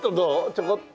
ちょこっと。